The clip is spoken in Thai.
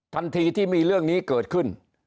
ทันทีที่มีเรื่องนี้เกิดขึ้น